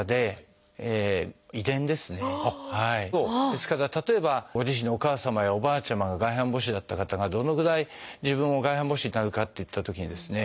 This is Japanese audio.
ですから例えばご自身のお母様やおばあちゃまが外反母趾だった方がどのぐらい自分も外反母趾になるかといったときにですね